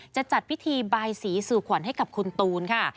จะจัดพิธีบายสีสู่ขวัญให้กับคุณตูนค่ะ